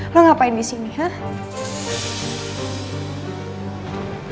lo ngapain disini hah